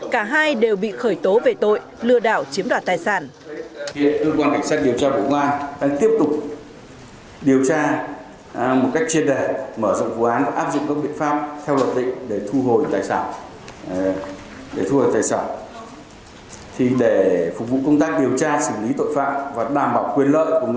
cả hai đều bị khởi tố về tội lừa đảo chiếm đoạt tài sản